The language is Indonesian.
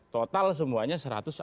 total semuanya satu ratus enam puluh tiga